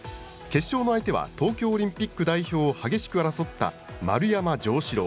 決勝の相手は、東京オリンピック代表を激しく争った丸山城志郎。